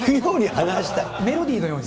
メロディーのように。